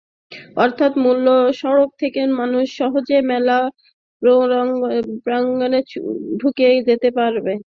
অর্থাৎ মূল সড়ক থেকে মানুষ সহজেই মেলা প্রাঙ্গণে ঢুকে যেতে পারবে।